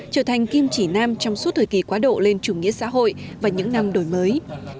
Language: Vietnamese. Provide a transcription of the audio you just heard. trở thành kim chỉ nam trong suốt thời kỳ quá độ lên chủ nghĩa xã hội và những năm đổi mới